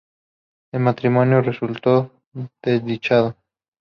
El matrimonio resultó desdichado.